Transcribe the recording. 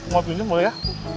mau pakai ini boleh ya